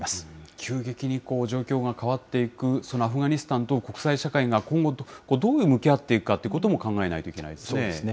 急激に状況が変わっていく、アフガニスタンと国際社会が今後、どう向き合っていくかということそうですね。